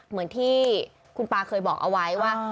เหมือนที่คุณปลาเคยบอกเอาไว้ว่า